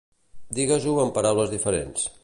Digues-ho amb paraules diferents.